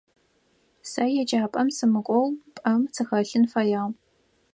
Сэ еджапӏэм сымыкӏоу пӏэм сыхэлъын фэягъ.